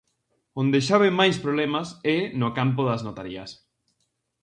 Onde xa ve mais problemas é no campo das notarías.